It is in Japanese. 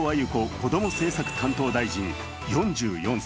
こども政策担当大臣、４４歳。